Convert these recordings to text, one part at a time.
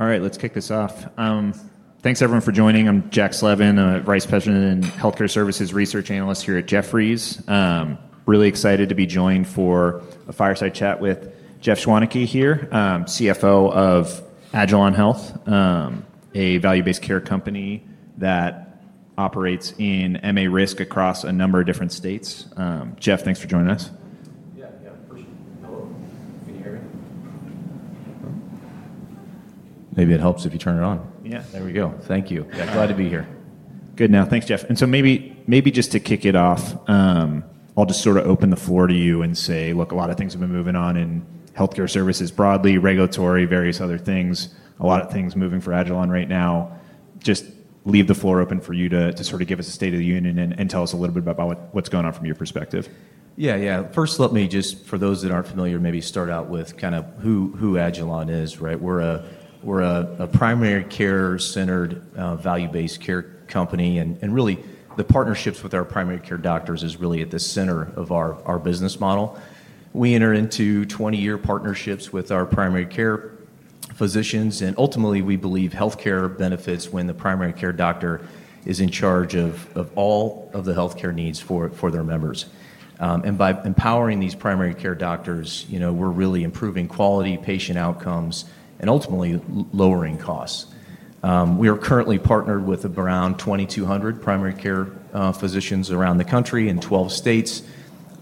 All right, let's kick this off. Thanks everyone for joining. I'm Jack Slevin, a Vice President and Healthcare Services Research Analyst here at Jefferies. Really excited to be joined for a fireside chat with Jeff Schwaneke here, CFO of agilon health, a value-based care company that operates in MA risk across a number of different states. Jeff, thanks for joining us. Yeah, yeah. Hello, can you hear me? Maybe it helps if you turn it on. Yeah, there we go. Thank you. Glad to be here. Good. Thanks, Jeff. Maybe just to kick it off, I'll just sort of open the floor to you and say, look, a lot of things have been moving on in healthcare services, broadly regulatory, various other things. A lot of things moving for agilon health right now. Just leave the floor open for you to sort of give us a state of the union and tell us a little bit about what's going on from your perspective. Yeah, yeah. First, let me just, for those that aren't familiar, maybe start out with kind of who agilon is. Right. We're a primary care centered value-based care company and really the partnerships with our primary care doctors is really at the center of our business model. We enter into 20-year partnerships with our primary care physicians and ultimately we believe healthcare benefits when the primary care doctor is in charge of all of the healthcare needs for their members. By empowering these primary care doctors, we're really improving quality, patient outcomes, and ultimately lowering costs. We are currently partnered with around 2,200 primary care physicians around the country in 12 states,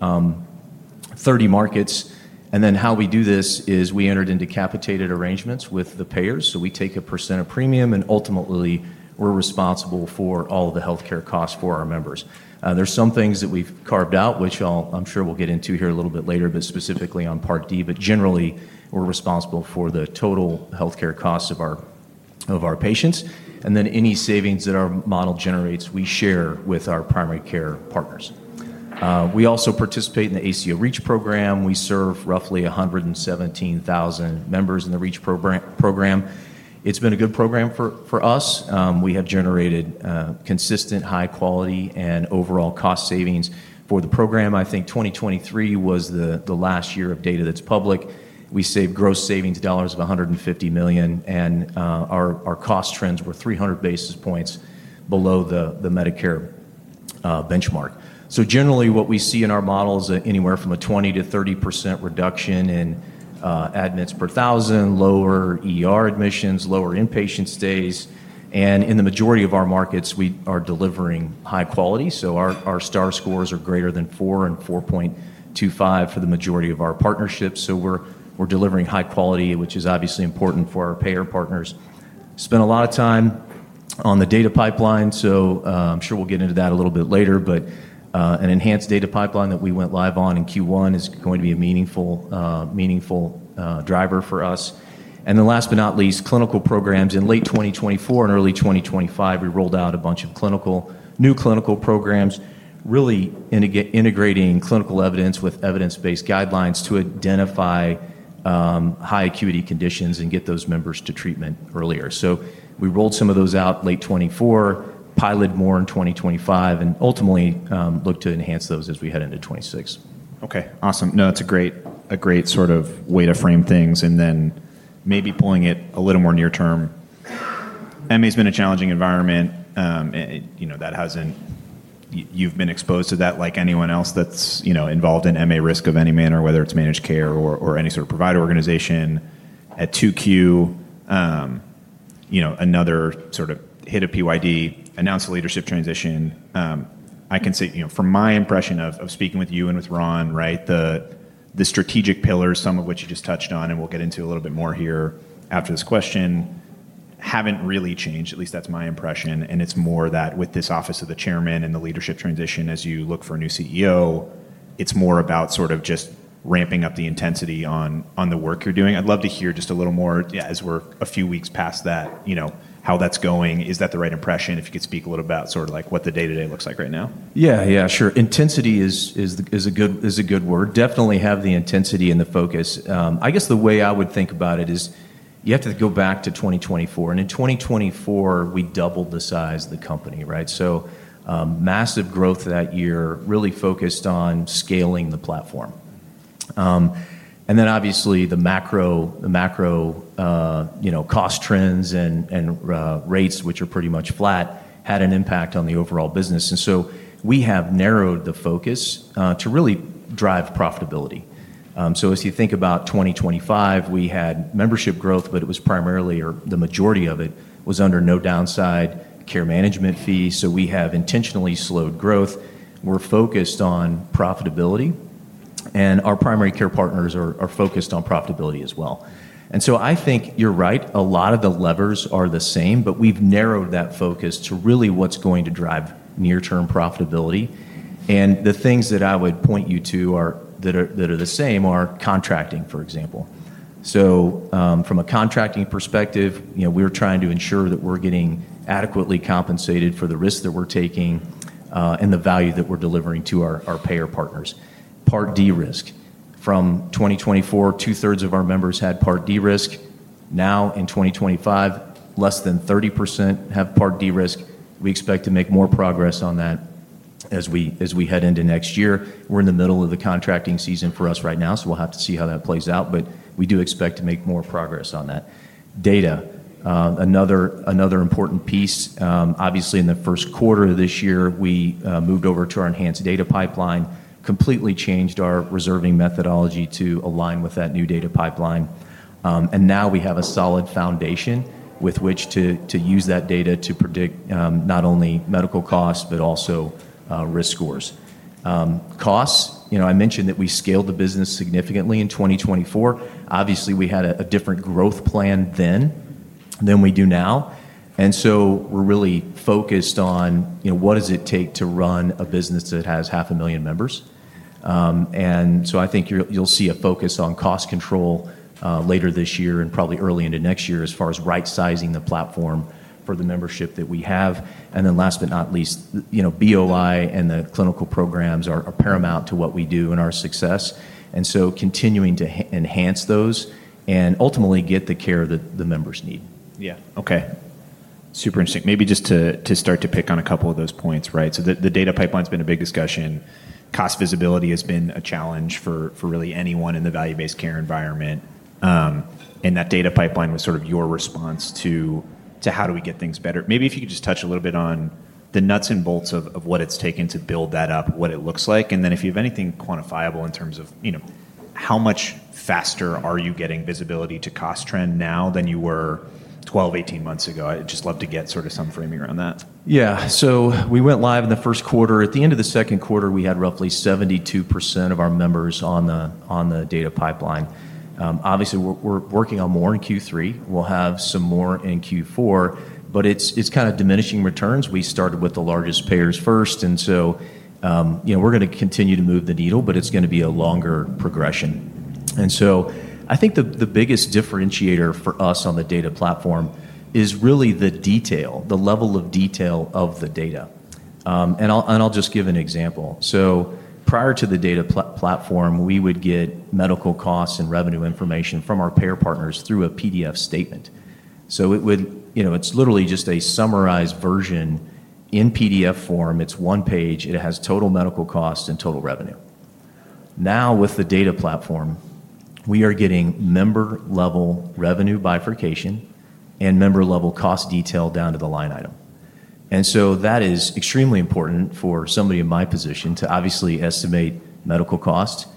30 markets. How we do this is we entered into capitated arrangements with the payers. We take a percent of premium and ultimately we're responsible for all the healthcare costs for our members. There are some things that we've carved out, which I'm sure we'll get into here a little bit later, specifically on Part D, but generally we're responsible for the total healthcare costs of our patients and then any savings that our model generates we share with our primary care partners. We also participate in the ACO REACH program. We serve roughly 117,000 members in the REACH program. It's been a good program for us. We have generated consistent high quality and overall cost savings for the program. I think 2023 was the last year of data that's public. We saved gross savings dollars of $150 million and our cost trends were 300 basis points below the Medicare benchmark. Generally what we see in our model is anywhere from a 20%-30% reduction in admits per thousand, lower ER admissions, lower inpatient stays. In the majority of our markets we are delivering high quality. Our star scores are greater than 4 and 4.25 for the majority of our partnerships. We're delivering high quality, which is obviously important for our payer partners. Spent a lot of time on the data pipeline, so I'm sure we'll get into that a little bit later. An enhanced data pipeline that we went live on in Q1 is going to be a meaningful, meaningful driver for us. Last but not least, clinical programs in late 2024 and early 2025, we rolled out a bunch of new clinical programs, really integrating clinical evidence with evidence-based guidelines to identify high acuity conditions and get those members to treatment earlier. We rolled some of those out late 2024, piloted more in 2025 and ultimately look to enhance those as we head into 2026. Okay, awesome. No, it's a great, a great sort of way to frame things, and then maybe pulling it a little more near term. MA has been a challenging environment, you know, that hasn't. You've been exposed to that like anyone else that's, you know, involved in MA risk of any manner, whether it's managed care or any sort of provider organization. At 2Q, you know, another sort of hit, a prior year development, announced a leadership transition. I can say, you know, from my impression of speaking with you and with Ron, right, the strategic pillars, some of which you just touched on and we'll get into a little bit more here after this question, haven't really changed. At least that's my impression. It's more that with this Office of the Chairman and the leadership transition as you look for a new CEO, it's more about sort of just ramping up the intensity on the work you're doing. I'd love to hear just a little more as we're a few weeks past that, you know, how that's going. Is that the right impression? If you could speak a little about sort of like what the day to day looks like right now. Yeah, sure. Intensity is a good word. Definitely have the intensity and the focus. I guess the way I would think about it is you have to go back to 2024 and in 2024 we doubled the size of the company. Right. Massive growth that year, really focused on scaling the platform and then obviously the macro cost trends and rates, which are pretty much flat, had an impact on the overall business. We have narrowed the focus to really drive profitability. As you think about 2025, we had membership growth, but it was primarily or most of it was under no downside care management fee. We have intentionally slowed growth. We're focused on profitability and our primary care partners are focused on profitability as well. I think you're right, a lot of the levers are the same, but we've narrowed that focus to really what's going to drive near term profitability. The things that I would point you to that are the same are contracting, for example. From a contracting perspective, we're trying to ensure that we're getting adequately compensated for the risks that we're taking and the value that we're delivering to our payer partners. Part D risk from 2024, 2/3 of our members had Part D risk. Now in 2025, less than 30% have Part D risk. We expect to make more progress on that as we head into next year. We're in the middle of the contracting season for us right now, so we'll have to see how that plays out. We do expect to make more progress on that. Data, another important piece, obviously, in the first quarter of this year, we moved over to our enhanced data pipeline, completely changed our reserving methodology to align with that new data pipeline. Now we have a solid foundation with which to use that data to predict not only medical costs, but also risk scores, costs. I mentioned that we scaled the business significantly in 2024. Obviously we had a different growth plan then than we do now. We're really focused on what does it take to run a business that has half a million members. I think you'll see a focus on cost control later this year and probably early into next year as far as right sizing the platform for the membership that we have. Last but not least, BOI and the clinical programs are paramount to what we do and our success and continuing to enhance those and ultimately get the care that the members need. Yeah, okay, super interesting. Maybe just to start to pick on a couple of those points. Right, so the data pipeline's been a big discussion. Cost visibility has been a challenge for really anyone in the value-based care environment. That data pipeline was sort of your response to how do we get things better? Maybe if you could just touch a little bit on the nuts and bolts of what it's taken to build that up, what it looks like. If you have anything quantifiable in terms of how much faster are you getting visibility to cost trend now than you were 12, 18 months ago, I'd just love to get sort of some framing around that. Yeah. We went live in the first quarter. At the end of the second quarter, we had roughly 72% of our members on the data pipeline. Obviously, we're working on more in Q3, we'll have some more in Q4, but it's kind of diminishing returns. We started with the largest payers first, so we're going to continue to move the needle, but it's going to be a longer progression. I think the biggest differentiator for us on the data platform is really the detail, the level of detail of the data. I'll just give an example. Prior to the data platform, we would get medical costs and revenue information from our payer partners through a PDF statement. It's literally just a summarized version in PDF form. It's one page. It has total medical costs and total revenue. Now with the data platform, we are getting member-level revenue bifurcation and member-level cost detail down to the line item. That is extremely important for somebody in my position to obviously estimate medical cost,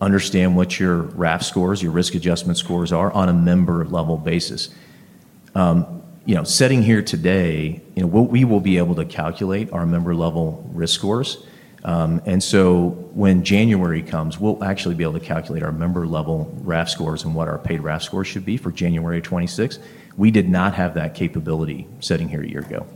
understand what your RAF scores, your risk adjustment scores are on a member-level basis. Sitting here today, we will be able to calculate our member-level risk scores. When January comes, we'll actually be able to calculate our member-level RAF scores and what our paid RAF score should be for January 26th. We did not have that capability sitting here a year ago.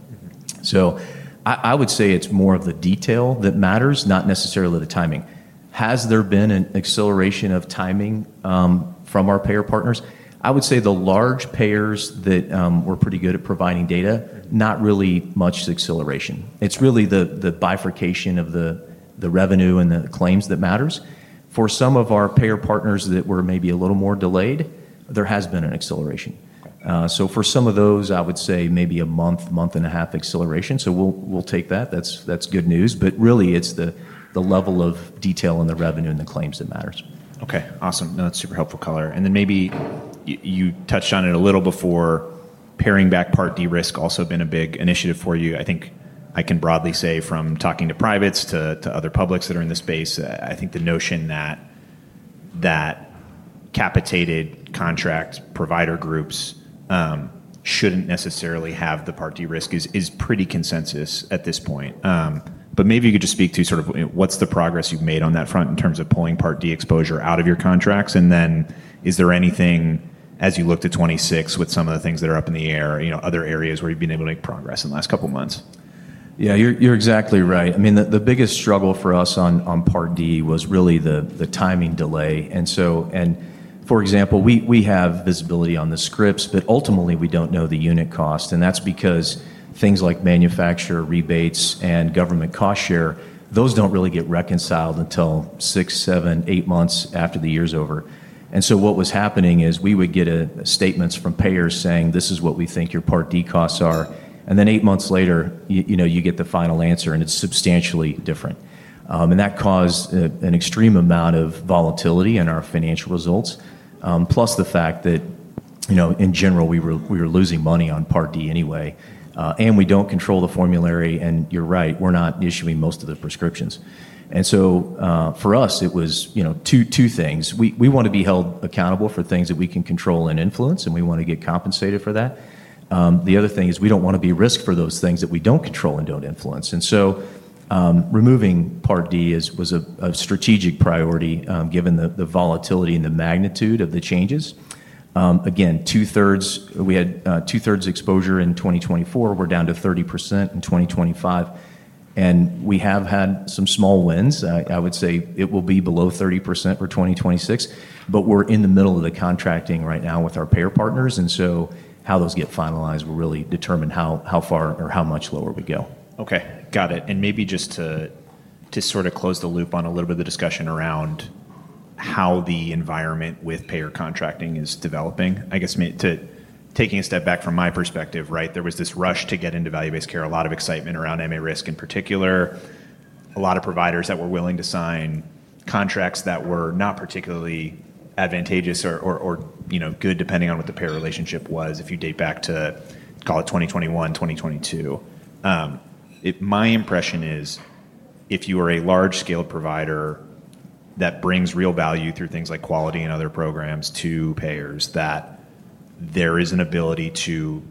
I would say it's more of the detail that matters, not necessarily the timing. Has there been an acceleration of timing from our payer partners? I would say the large payers that were pretty good at providing data, not really much acceleration. It's really the bifurcation of the revenue and the claims that matters. For some of our payer partners that were maybe a little more delayed, there has been an acceleration. For some of those, I would say maybe a month, month and a half acceleration. We'll take that, that's good news. Really, it's the level of detail in the revenue and the claims that matters. Okay, awesome. No, that's super helpful color, and then maybe you touched on it a little before paring back Part D risk. Also been a big initiative for you. I think I can broadly say from talking to privates to other publics that are in the space, I think the notion that capitated contract provider groups shouldn't necessarily have the Part D risk is pretty consensus at this point. Maybe you could just speak to sort of what's the progress you've made on that front in terms of pulling Part D exposure out of your contracts? Is there anything as you look to 2026 with some of the things that are up in the air, you know, other areas where you've been able to make progress in the last couple of months? Yeah, you're exactly right. I mean, the biggest struggle for us on Part D was really the timing delay. For example, we have visibility on the scripts, but ultimately we don't know the unit cost. That's because things like manufacturer rebates and government cost share don't really get reconciled until 6, 7, 8 months after the year's over. What was happening is we would get statements from payers saying this is what we think your Part D costs are, and then eight months later, you get the final answer and it's substantially different. That caused an extreme amount of volatility in our financial results. Plus the fact that, in general, we were losing money on Part D anyway. We don't control the formulary, and you're right, we're not issuing most of the prescriptions. For us, it was two things. We want to be held accountable for things that we can control and influence, and we want to get compensated for that. The other thing is we don't want to be risked for those things that we don't control and don't influence. Removing Part D was a strategic priority given the volatility and the magnitude of the changes. Again, 2/3. We had 2/3 exposure in 2024. We're down to 30% in 2025. We have had some small wins. I would say it will be below 30% for 2026. We're in the middle of the contracting right now with our payer partners, and how those get finalized will really determine how far or how much lower we go. Okay, got it. Maybe just to sort of close the loop on a little bit of the discussion around how the environment with payer contracting is developing. I guess taking a step back from my perspective, there was this rush to get into value-based care. A lot of excitement around MA risk in particular, a lot of providers that were willing to sign contracts that were not particularly advantageous or good depending on what the payer relationship was. If you date back to, call it, 2021, 2022, my impression is if you are a large-scale provider that brings real value through things like quality and other programs to payers, there is an ability to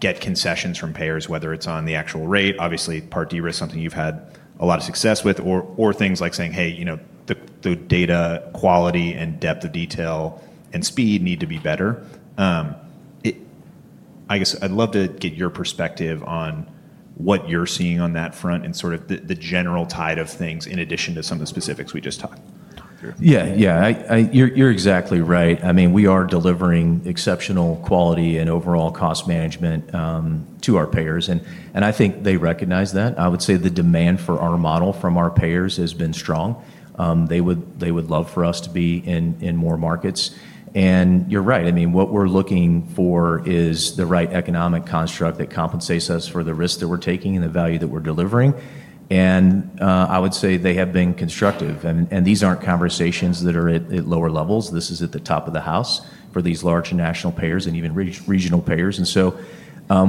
get concessions from payers, whether it's on the actual rate, obviously Part D risk, something you've had a lot of success with, or things like saying, hey, the data quality and depth of detail and speed need to be better. I guess I'd love to get your perspective on what you're seeing on that front and the general tide of things in addition to some of the specifics we just talked about. Yeah, you're exactly right. I mean we are delivering exceptional quality and overall cost management to our payers, and I think they recognize that. I would say the demand for our model from our payers has been strong. They would love for us to be in more markets. You're right. I mean what we're looking for is the right economic construct that compensates us for the risk that we're taking and the value that we're delivering. I would say they have been constructive. These aren't conversations that are at lower levels. This is at the top of the house for these large national payers and even regional payers.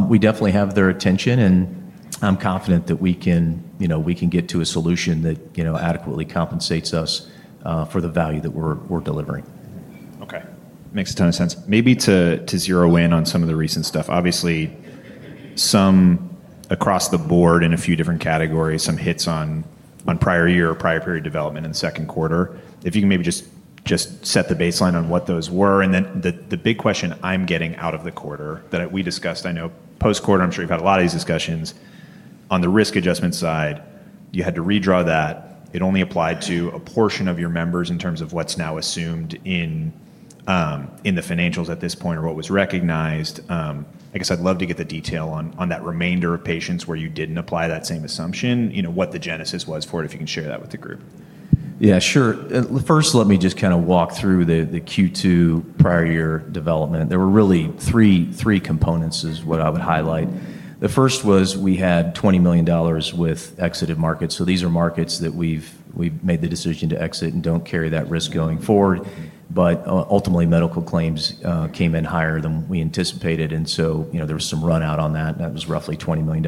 We definitely have their attention. I'm confident that we can get to a solution that adequately compensates us for the value that we're delivering. Okay, makes a ton of sense. Maybe to zero in on some of the recent stuff. Obviously, some across the board in a few different categories, some hits on prior year or prior period development in the second quarter. If you can maybe just set the baseline on what those were. The big question I'm getting out of the quarter that we discussed, I know post quarter, I'm sure you've had a lot of these discussions on the risk adjustment side. You had to redraw that it only applied to a portion of your members in terms of what's now assumed in the financials at this point or what was recognized. I'd love to get the detail on that remainder of patients where you didn't apply that same assumption, what the genesis was for it, if you can share that with the group. Yeah, sure. First, let me just kind of walk through the Q2 prior year development. There were really three components I would highlight. The first was we had $20 million with exited markets. These are markets that we've made the decision to exit and don't carry that risk going forward. Ultimately, medical claims came in higher than we anticipated, so there was some runout on that. That was roughly $20 million.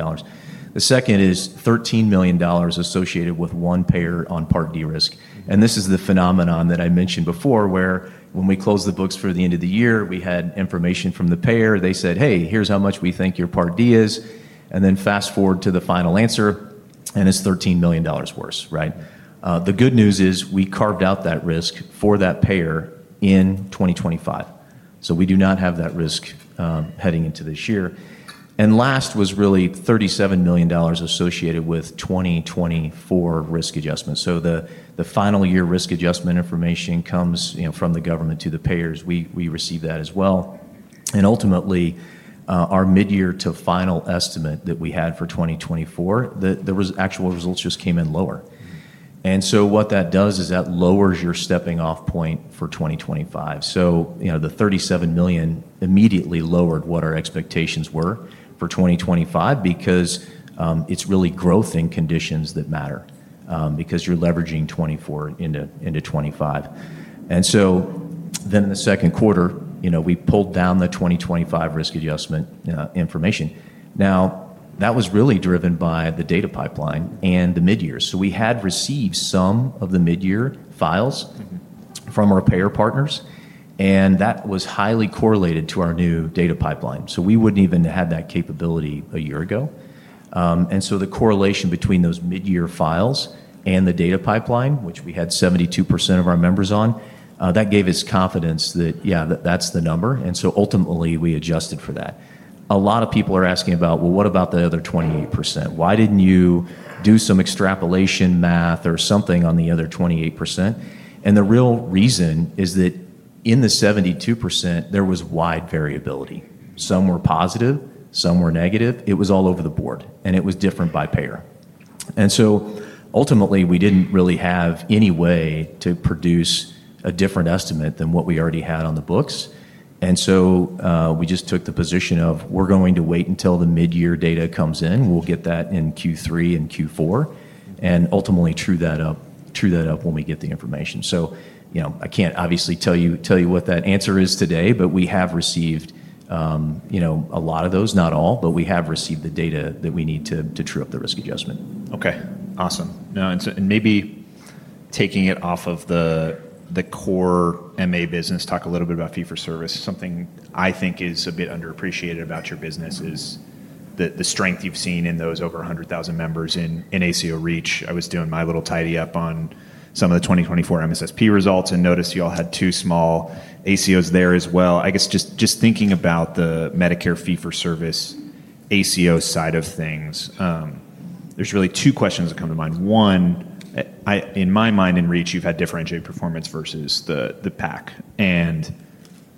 The second is $13 million associated with one payer on Part D risk. This is the phenomenon I mentioned before, where when we closed the books for the end of the year, we had information from the payer, they said, hey, here's how much we think your Part D is, and then fast forward to the final answer and it's $13 million worse. The good news is we carved out that risk for that payer in 2025, so we do not have that risk heading into this year. Last was really $37 million associated with 2024 risk adjustments. The final year risk adjustment information comes from the government to the payers. We receive that as well, and ultimately our mid-year to final estimate that we had for 2024, the actual results just came. What that does is that lowers your stepping off point for 2025. The $37 million immediately lowered what our expectations were for 2025 because it's really growth in conditions that matter because you're leveraging 2024 into 2025. In the second quarter, we pulled down the 2025 risk adjustment information. That was really driven by the data pipeline and the mid-year. We had received some of the mid-year files from our payer partners and that was highly correlated to our new data pipeline. We wouldn't even have that capability a year ago. The correlation between those mid-year files and the data pipeline, which we had 72% of our members on, gave us confidence that, yeah, that's the number. Ultimately, we adjusted for that. A lot of people are asking about what about the other 28%. Why didn't you do some extrapolation math or something on the other 28%? The real reason is that in the 72% there was wide variability. Some were positive, some were negative, it was all over the board and it was different by payer. Ultimately, we didn't really have any way to produce a different estimate than what we already had on the books. We just took the position of we're going to wait until the mid-year data comes in. We'll get that in Q3 and Q4 and ultimately true that up when we get the information. I can't obviously tell you what that answer is today, but we have received a lot of those, not all, but we have received the data that we need to true up the risk adjustment. Okay, awesome. Now, maybe taking it off of the core MA business, talk a little bit about fee for service. Something I think is a bit under appreciated about your business is the strength you've seen in those over 100,000 members in ACO REACH. I was doing my little tidy up on some of the 2024 MSSP results and noticed you all had two small ACOs there as well. I guess just thinking about the Medicare fee for service ACO side of things, there are really two questions that come to mind. One, in my mind, in REACH, you've had differentiated performance versus the pack.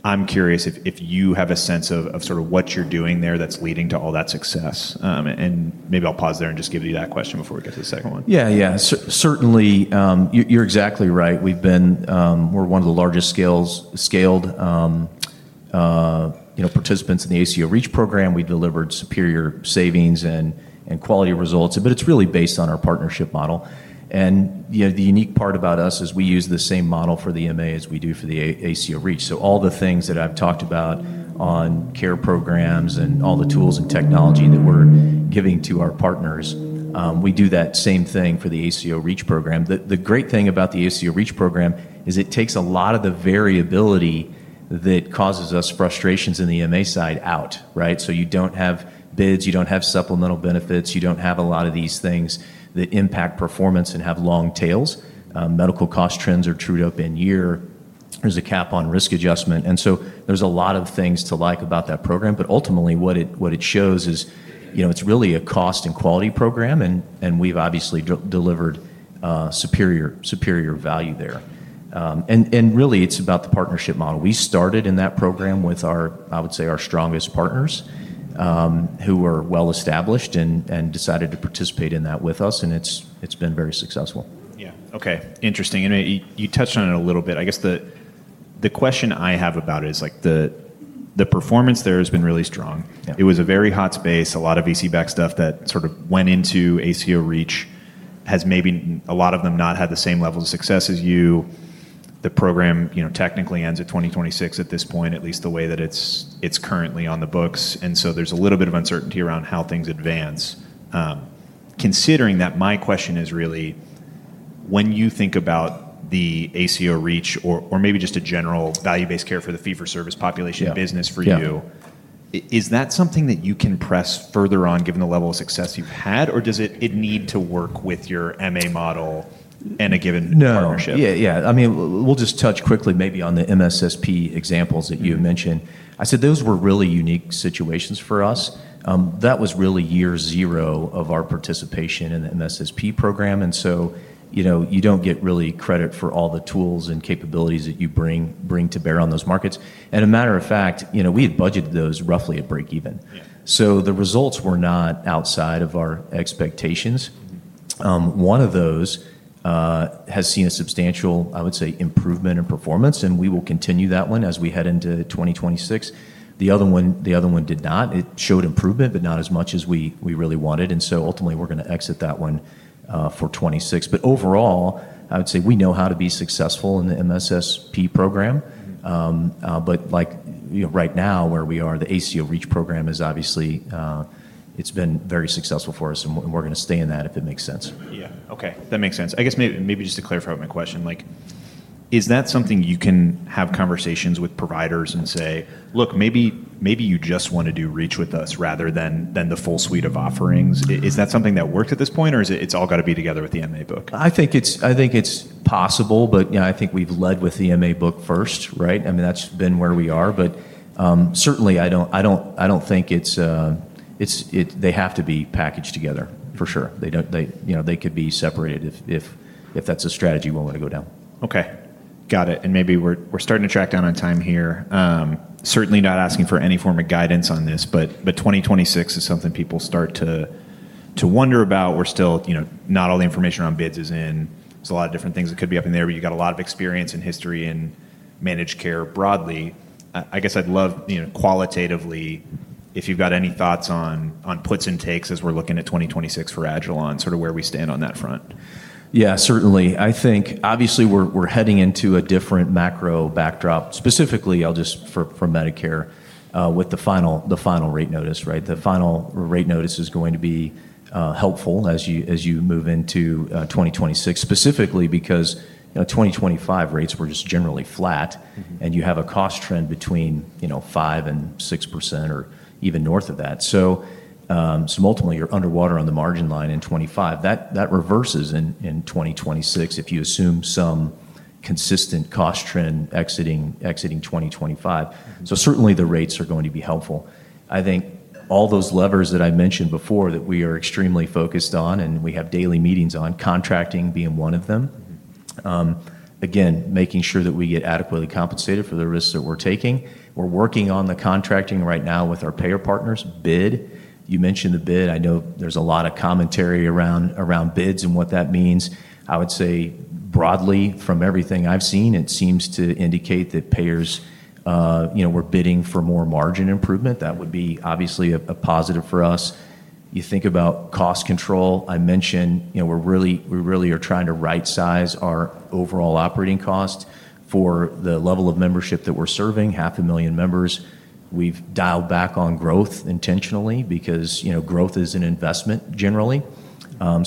I'm curious if you have a sense of what you're doing there that's leading to all that success. Maybe I'll pause there and just give you that question before we get to the second one. Yeah, yeah, certainly. You're exactly right. We're one of the largest scaled participants in the ACO REACH program. We delivered superior savings and quality results. It's really based on our partnership model. The unique part about us is we use the same model for the MA as we do for the ACO REACH. All the things that I've talked about on CARE programs and all the tools and technology that we're giving to our partners, we do that same thing for the ACO REACH program. The great thing about the ACO REACH program is it takes a lot of the variability that causes us frustrations in the MA side out. You don't have bids, you don't have supplemental benefits, you don't have a lot of these things that impact performance and have long tails. Medical cost trends are trued up in year. There's a cap on risk adjustment, and there's a lot of things to like about that program. Ultimately, what it shows is, you know, it's really a cost and quality program and we've obviously delivered superior value there. Really, it's about the partnership model. We started in that program with our, I would say, our strongest partners who were well established and decided to participate in that with us. It's been very successful. Yeah. Okay, interesting. You touched on it a little bit. I guess the question I have about it is the performance there has been really strong. It was a very hot space. A lot of EC back stuff that sort of went into ACO REACH. Maybe a lot of them have not had the same level of success as you. The program technically ends at 2026 at this point, at least the way that it's currently on the books. There's a little bit of uncertainty around how things advance. Considering that, my question is really when you think about the ACO REACH or maybe just a general value-based care for the fee-for-service population business for you, is that something that you can press further on given the level of success you've had, or does it need to work with your MA model and a given partnership? Yeah, yeah. I mean we'll just touch quickly maybe on the MSSP examples that you mentioned. I said those were really unique situations for us. That was really year zero of our participation in the MSSP program. You don't get really credit for all the tools and capabilities that you bring to bear on those markets. As a matter of fact, we had budgeted those roughly at break even. The results were not outside of our expectations. One of those has seen a substantial, I would say, improvement in performance and we will continue that one as we head into 2026. The other one did not. It showed improvement, but not as much as we really wanted. Ultimately, we're going to exit that one for 2026. Overall, I would say we know how to be successful in the MSSP program. Right now where we are, the ACO REACH program is obviously, it's been very successful for us and we're going to stay in that if it makes sense. Yeah. Okay, that makes sense. I guess maybe just to clarify my question, is that something you can have conversations with providers and say, look, maybe you just want to do REACH with us rather than the full suite of offerings? Is that something that works at this point or does it all have to be together with the MAbook? I think it's possible, but I think we've led with the MA book first. That's been where we are. I don't think they have to be packaged together. For sure they could be separated if that's a strategy we'll want to go down. Okay, got it. Maybe we're starting to track down on time here. Certainly not asking for any form of guidance on this. 2026 is something people start to wonder about. We're still not all the information on bids is in. There's a lot of different things that could be up in there, but you got a lot of experience and history in managed care broadly. I guess I'd love, you know, qualitatively if you've got any thoughts on puts and takes as we're looking at 2026 for agilon health, sort of where we stand on that front. Yeah, certainly. I think obviously we're heading into a different macro backdrop. Specifically, for Medicare with the final rate notice. The final rate notice is going to be helpful as you move into 2026 specifically because, you know, 2025 rates were just generally flat and you have a cost trend between 5%-6% or even north of that. Ultimately, you're underwater on the margin line in 2025. That reverses in 2026 if you assume some consistent cost trend exiting 2025. Certainly, the rates are going to be helpful. I think all those levers that I mentioned before that we are extremely focused on, and we have daily meetings on, contracting being one of them, again, making sure that we get adequately compensated for the risks that we're taking. We're working on the contracting right now with our payer partners. You mentioned the bid. I know there's a lot of commentary around bids and what that means. I would say broadly, from everything I've seen, it seems to indicate that payers were bidding for more margin improvement. That would be obviously a positive for us. You think about cost control I mentioned. We really are trying to right-size our overall operating cost for the level of membership that we're serving. Half a million members. We've dialed back on growth intentionally because, you know, growth is an investment generally.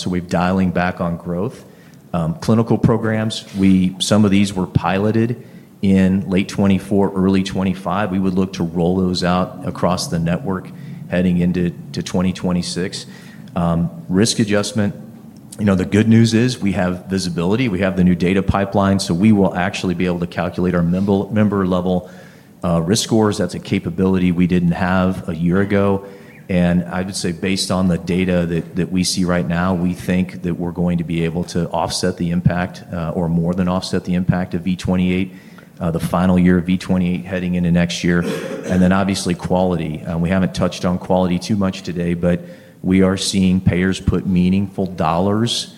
We've dialed back on growth. Clinical programs, some of these were piloted in late 2024, early 2025. We would look to roll those out across the network heading into 2026. Risk adjustment, you know, the good news is we have visibility, we have the new data pipeline so we will actually be able to calculate our member-level risk scores. That's a capability we didn't have a year ago. Based on the data that we see right now, we think that we're going to be able to offset the impact or more than offset the impact of V28, the final year of V28, heading into next year. Obviously, quality, we haven't touched on quality too much today, but we are seeing payers put meaningful dollars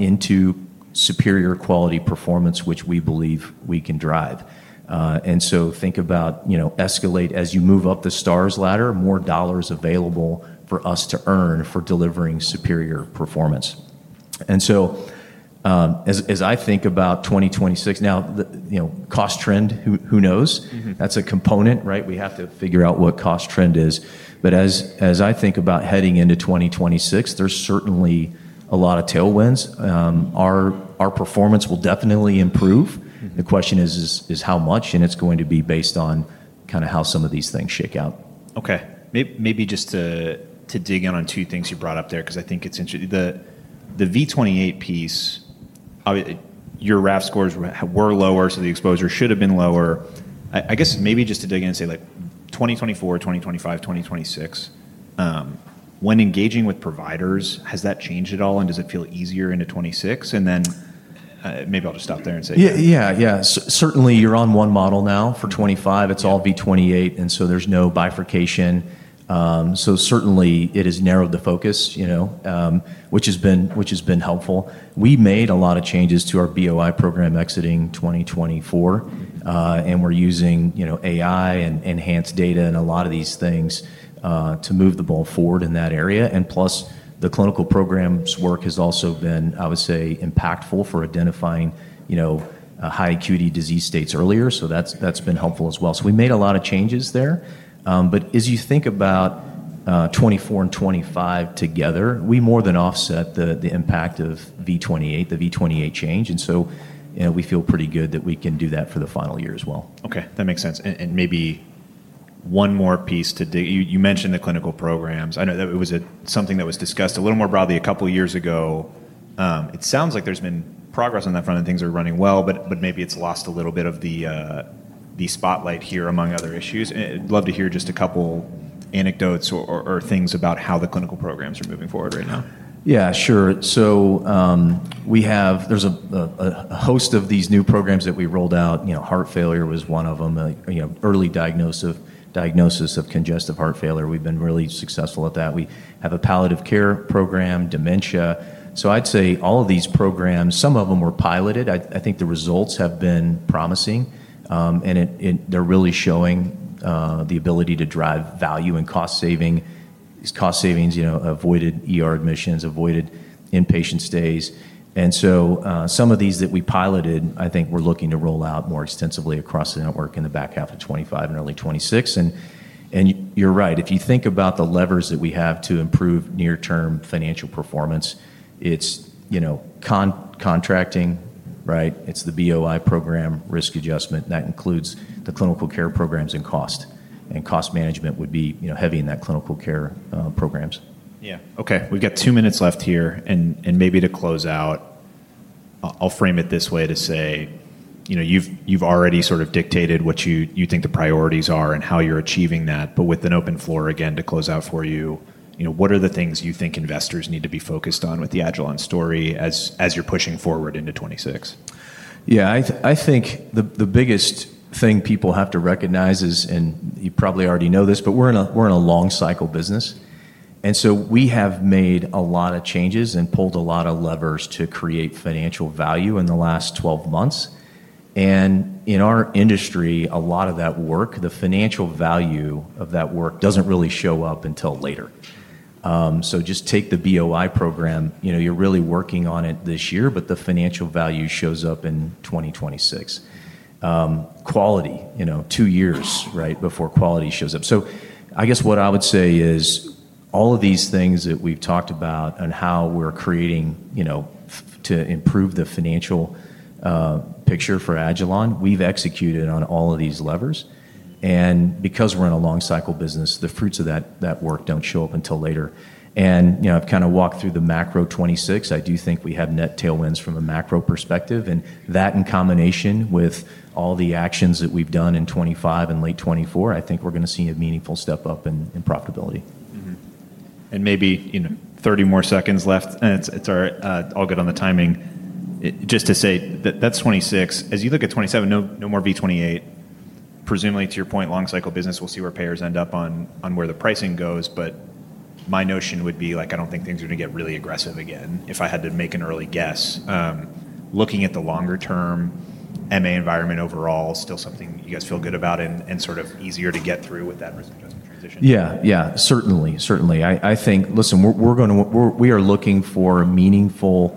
into superior quality performance, which we believe we can drive. Think about, you know, as you move up the stars ladder, more dollars available for us to earn for delivering superior performance. As I think about 2026 now, cost trend, who knows? That's a component, right? We have to figure out what cost trend is. As I think about heading into 2026, there's certainly a lot of tailwinds. Our performance will definitely improve. The question is how much? It's going to be based on kind of how some of these things shake out. Okay, maybe just to dig in on two things you brought up there, because I think it's interesting, the V28 piece, your RAF scores were lower, so the exposure should have been lower. I guess maybe just to dig in and say like 2024, 2025, 2026, when engaging with providers, has that changed at all? Does it feel easier in a 2026? Maybe I'll just stop there. Yes, certainly you're on one model now for 2025, it's all V28. There's no bifurcation. It has narrowed the focus, which has been helpful. We made a lot of changes to our burden of illness program exiting 2024, and we're using AI and enhanced data and a lot of these things to move the ball forward in that area. Plus, the clinical program's work has also been, I would say, impactful for identifying high acuity disease states earlier. That's been helpful as well. We made a lot of changes there. As you think about 2024 and 2025 together, we more than offset the impact of V28, the V28 change. We feel pretty good that we can do that for the final year as well. Okay, that makes sense. Maybe one more piece to dig. You mentioned the clinical programs. I know that it was something that was discussed a little more broadly a couple years ago. It sounds like there's been progress on that front and things are running well, but maybe it's lost a little bit of the spotlight here among other issues. I'd love to hear just a couple anecdotes or things about how the clinical programs are moving forward right now. Yeah, sure. We have a host of these new programs that we rolled out. Heart failure was one of them. Early diagnosis of congestive heart failure. We've been really successful at that. We have a palliative program, dementia. I'd say all of these programs, some of them were piloted. I think the results have been promising, and they're really showing the ability to drive value and cost savings, avoided ER admissions, avoided inpatient stays. Some of these that we piloted, I think we're looking to roll out more extensively across the network in the back half of 2025 and early 2026. You're right, if you think about the levers that we have to improve near-term financial performance, it's contracting, right. It's the burden of illness program, risk adjustment that includes the clinical care programs, and cost management would be heavy in that. Clinical care programs. Yeah. Okay, we've got two minutes left here and maybe to close out. I'll frame it this way to say, you know, you've already sort of dictated what you think the priorities are and how you're achieving that, but with an open floor again to close out for you. You know, what are the things you think investors need to be focused on with the agilon story as you're pushing forward into 2026? I think the biggest thing people have to recognize is, and you probably already know this, we're in a long cycle business. We have made a lot of changes and pulled a lot of levers to create financial value in the last 12 months. In our industry, a lot of that work, the financial value of that work doesn't really show up until later. Just take the burden of illness program, you're really working on it this year, but the financial value shows up in 2026. Quality, two years right before quality shows up. What I would say is all of these things that we've talked about and how we're creating, you know, to improve the financial picture for agilon, we've executed on all of these levers. Because we're in a long cycle business, the fruits of that work don't show up until later. I've kind of walked through the macro 2026. I do think we have net tailwinds from a macro perspective and that in combination with all the actions that we've done in 2025 and late 2024, I think we're going to see a meaningful step up in profitability and maybe, you. Know, 30 more seconds left and it's all good on the timing. Just to say that that's 26 as you look at 27. No, no more V28. Presumably, to your point, long cycle business, we'll see where payers end up on where the pricing goes. My notion would be, I don't think things are going to get really aggressive again. If I had to make an early guess, looking at the longer term MA environment overall, still something you guys feel good about and sort of easier to get through with that position. Yeah. Certainly. I think, listen, we are looking for meaningful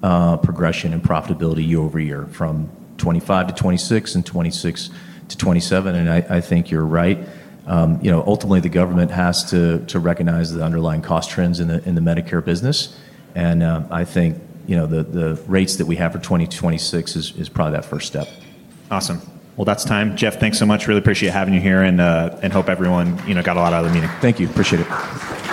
progression in profitability year over year from 2025 to 2026 and 2026 to 2027. I think you're right. Ultimately, the government has to recognize the underlying cost trends in the Medicare business. I think the rates that we have for 2026 is probably that first step. Awesome. That's time. Jeff, thanks so much. Really appreciate having you here and hope everyone got a lot out of the meeting. Thank you. Appreciate it.